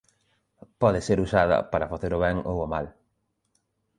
Pode ser usada para facer o ben ou o mal.